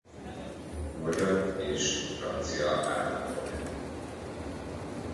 Magyar és francia állampolgár.